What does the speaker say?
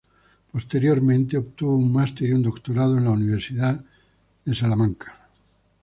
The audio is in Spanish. Posteriormente obtuvo un master y un doctorado en la Universidad de Washington.